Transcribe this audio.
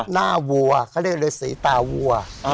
หน้าวัวเค้าเรียกเรือศีลตาวัว